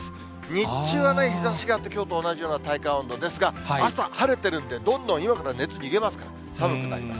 日中は日ざしがあって、きょうと同じような体感温度ですが、朝、晴れてるんで、どんどん夜から熱逃げますから、寒くなります。